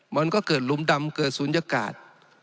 มันก็เกิดลุมดำเกิดศูนยากาศ